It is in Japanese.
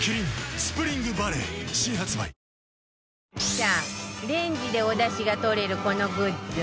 さあレンジでおだしが取れるこのグッズ